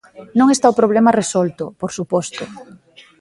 Non está o problema resolto, por suposto.